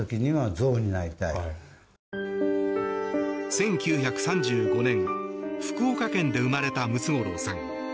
１９３５年、福岡県で生まれたムツゴロウさん。